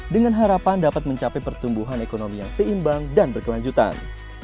dengan harapan dapat mencapai pertumbuhan ekonomi yang seimbang dan berkelanjutan